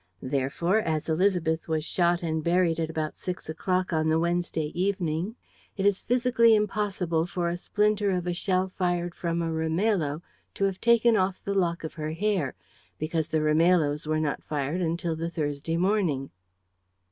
Therefore, as Élisabeth was shot and buried at about 6 o'clock on the Wednesday evening, it is physically impossible for a splinter of a shell fired from a Rimailho to have taken off a lock of her hair, because the Rimailhos were not fired until the Thursday morning."